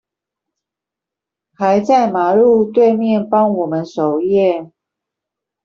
還在馬路對面幫我們守夜